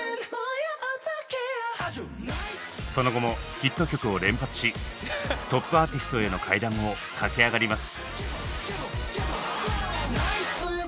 その後もヒット曲を連発しトップアーティストへの階段を駆け上がります。